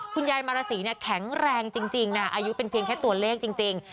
คุณยายมาราศีเนี่ยแข็งแรงจริงนะอายุเป็นเพียงแค่ตัวเลขจริง